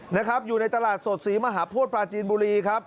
นะครับอยู่ในตลาดสดศรีมหาโพธิปลาจีนบุรีครับ